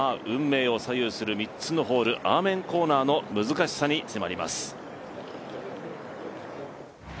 運命を左右する３つのホールアーメンコーナーの難しさに迫ります。